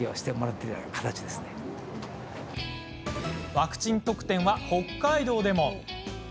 ワクチン特典は、北海道でも。